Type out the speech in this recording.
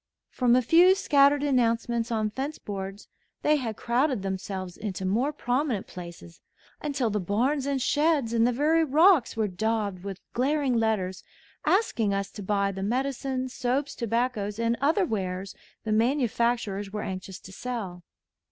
From a few scattered announcements on fence boards, they had crowded themselves into more prominent places until the barns and sheds and the very rocks were daubed with glaring letters asking us to buy the medicines, soaps, tobaccos, and other wares the manufacturers were anxious to sell.